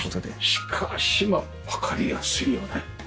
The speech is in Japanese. しかしまあわかりやすいよね。